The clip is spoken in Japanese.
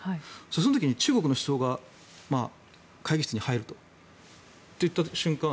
その時に、中国の首相が会議室に入るといった瞬間